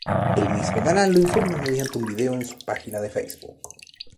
El mismo canal lo informa mediante un video en su página de Facebook.